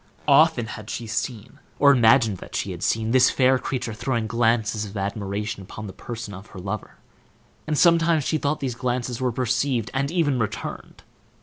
Often had she seen, or imagined that she had seen, this fair creature throwing glances of admiration upon the person of her lover, and sometimes she thought these glances were perceived, and even returned.